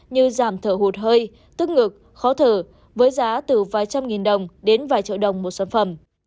như giảm thở hụt hơi tức ngực khó thở với giá từ vài trăm nghìn đồng đến vài triệu đồng một sản phẩm